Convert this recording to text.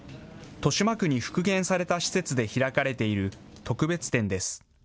豊島区に復元された施設で開かれている特別展です。